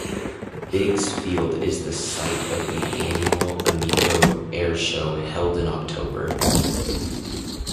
Biggs Field is the site of the annual "Amigo Airshow", held in October.